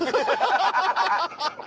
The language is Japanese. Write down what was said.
ハハハハハ！